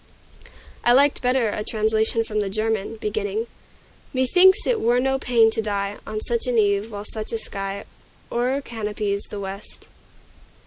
I liked better a translation from the German, beginning "Methinks it were no pain to die On such an eve, while such a sky O'ercanopies the west."